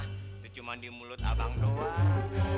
itu cuma di mulut abang doang